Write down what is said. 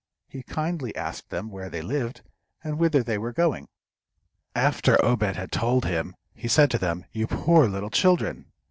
He kindly asked them where they lived, and whither they were going. After Obed had told him, he said to them, "You poor little children!